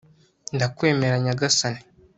ndakwemera nyagasani